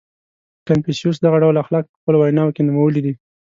• کنفوسیوس دغه ډول اخلاق په خپلو ویناوو کې نومولي دي.